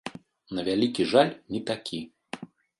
На вялікі жаль, не такі.